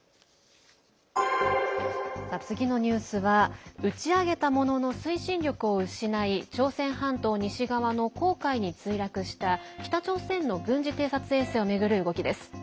次のニュースは打ち上げたものの推進力を失い朝鮮半島西側の黄海に墜落した北朝鮮の軍事偵察衛星を巡る動きです。